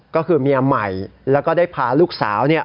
ก็คือเมียใหม่แล้วก็ได้พาลูกสาวเนี่ย